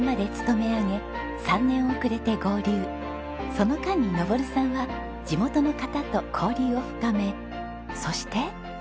その間に昇さんは地元の方と交流を深めそして。